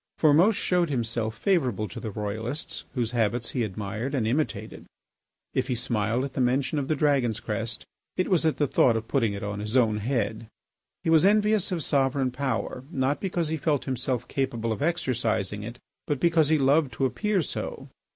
Formose showed himself favourable to the Royalists, whose habits he admired and imitated. If he smiled at the mention of the Dragon's crest it was at the thought of putting it on his own head. He was envious of sovereign power, not because he felt himself capable of exercising it, but because he loved to appear so.